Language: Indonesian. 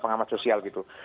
pengamat sosial gitu